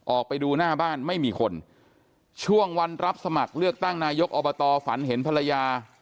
ออกไปดูหน้าบ้านไม่มีคนช่วงวันรับสมัครเลือกตั้งนายกอบตฝันเห็นภรรยา